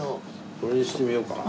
これにしてみようかな。